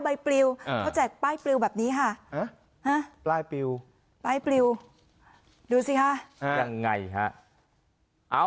ใบปริวเขาแจกป้ายปริวแบบนี้ค่ะป้ายปริวดูสิคะยังไงคะ